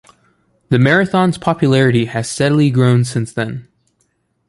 The Marathon's popularity has steadily grown since then.